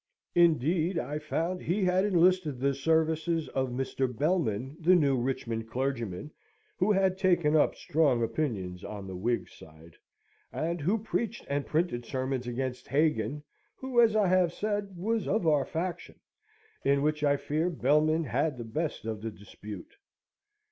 Indeed, I found he had enlisted the services of Mr. Belman, the New Richmond clergyman, who had taken up strong opinions on the Whig side, and who preached and printed sermons against Hagan (who, as I have said, was of our faction), in which I fear Belman had the best of the dispute.